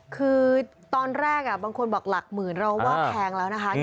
คือตอนแรกบางคนบอกหลักหมื่นเราว่าแพงแล้วนะคะ